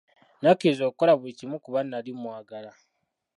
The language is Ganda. Nakkiriza okukola buli kimu kuba nnali mwagala.